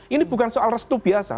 ini bukan soal restu biasa